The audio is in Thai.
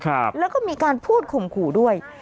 ครับแล้วก็มีการพูดข่มขู่ด้วย